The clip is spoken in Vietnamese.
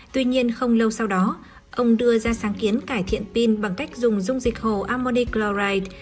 tuy nhiên không lâu sau đó ông đưa ra sáng kiến cải thiện pin bằng cách dùng dung dịch hồ ammondiclorig